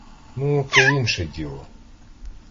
Ну, то інше діло.